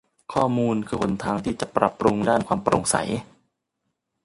ข้อมูลคือหนทางที่จะปรับปรุงด้านความโปร่งใส